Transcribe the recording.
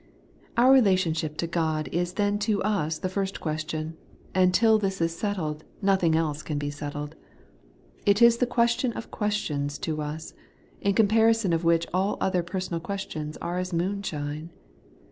Our relationship to God is then to us the first question ; and till this is settled, nothing else can be settled. It is the question of questions to us, in comparison of which all other personal ques tions are as moonshine.